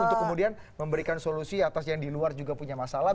untuk kemudian memberikan solusi atas yang di luar juga punya masalah